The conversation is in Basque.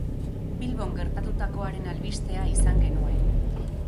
Bilbon gertatutakoaren albistea izan genuen.